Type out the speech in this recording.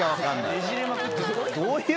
ねじれまくってる。